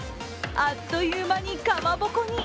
あっという間にかまぼこに。